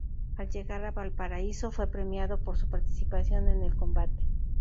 Al llegar a Valparaíso, fue premiado por su participación en el combate.